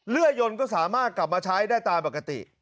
ื่อยยนก็สามารถกลับมาใช้ได้ตามปกติ